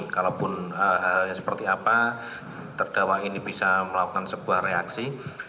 kalaupun halnya seperti apa terdakwa ini bisa melakukan sebuah reaksi